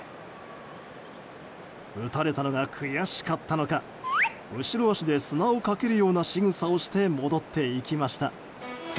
打たれたのが悔しかったのか後ろ足で砂をかけるようなしぐさをして戻っていきました。